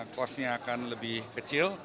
cost nya akan lebih kecil